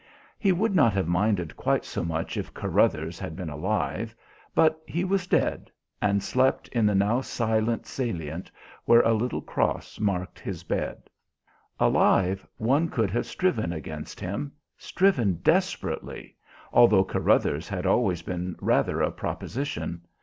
He would not have minded quite so much if Carruthers had been alive, but he was dead and slept in the now silent Salient where a little cross marked his bed. Alive one could have striven against him, striven desperately, although Carruthers had always been rather a proposition.